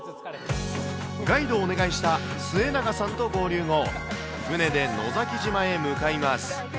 ガイドをお願いした末永さんと合流後、船で野崎島へ向かいます。